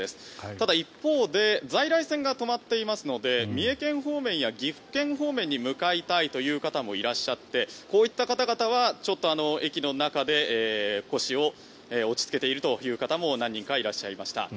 ただ、一方で在来線が止まっていますので三重県方面や岐阜県方面に向かいたいという方もいらっしゃってこういった方々はちょっと駅の中で腰を落ち着けているという方も何人かいらっしゃいました。